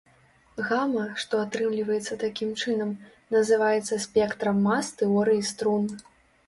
Гама, што атрымліваецца такім чынам, называецца спектрам мас тэорыі струн.